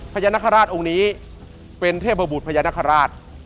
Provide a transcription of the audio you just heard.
พญานาคาราชองค์นี้เป็นเทพบุตรพญานาคาราช